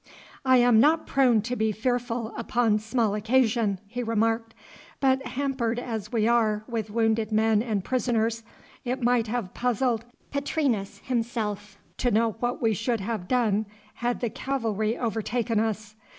'I am not prone to be fearful upon small occasion,' he remarked, 'but hampered as we are with wounded men and prisoners, it might have puzzled Petrinus himself to know what we should have done had the cavalry overtaken us.